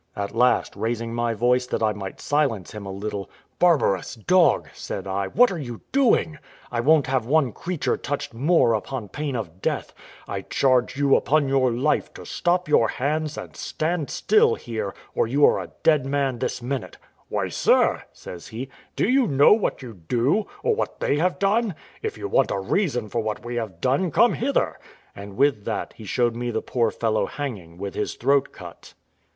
At last, raising my voice that I might silence him a little, "Barbarous dog!" said I, "what are you doing! I won't have one creature touched more, upon pain of death; I charge you, upon your life, to stop your hands, and stand still here, or you are a dead man this minute." "Why, sir," says he, "do you know what you do, or what they have done? If you want a reason for what we have done, come hither;" and with that he showed me the poor fellow hanging, with his throat cut.